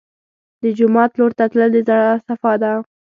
د جومات لور ته تلل د زړه صفا ده.